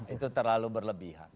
itu terlalu berlebihan